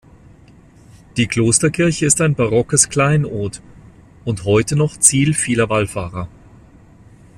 Die Klosterkirche ist ein barockes Kleinod und heute noch Ziel vieler Wallfahrer.